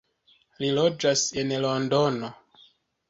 Li loĝas en Londono.